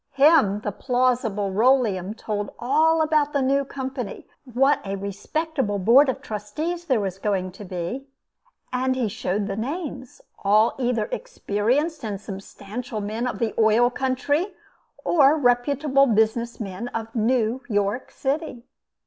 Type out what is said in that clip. Him the plausible Rolleum told all about the new Company; what a respectable board of trustees there was going to be and he showed the names; all either experienced and substantial men of the oil country, or reputable business men of New York City.